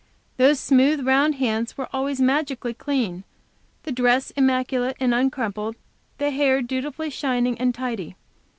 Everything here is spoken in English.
Those smooth, round hands were always magically clean; the dress immaculate and uncrumpled; the hair dutifully shining and tidy.